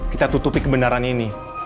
kita tutupi kebenaran ini